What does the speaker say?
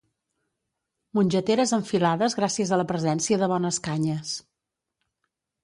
Mongeteres enfilades gràcies a la presència de bones canyes.